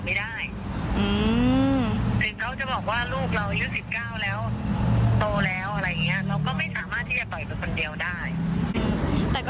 เพราะว่าแตกยังไงก็ปล่อยลูกไปคนเดียวไม่ได้